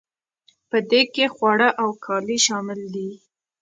په دې کې خواړه او کالي شامل دي.